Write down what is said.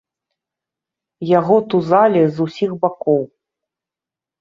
Яго тузалі з усіх бакоў.